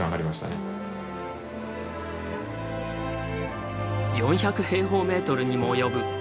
４００平方メートルにも及ぶ巨大な砂場。